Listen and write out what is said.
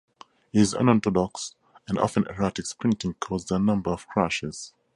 His unorthodox and often erratic sprinting caused a number of crashes.